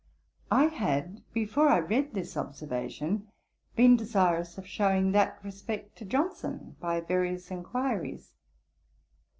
I had, before I read this observation, been desirous of shewing that respect to Johnson, by various inquiries.